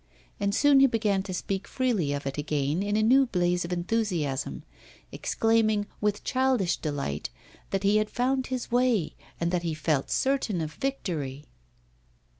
And soon he began to speak freely of it again in a new blaze of enthusiasm, exclaiming, with childish delight, that he had found his way and that he felt certain of victory.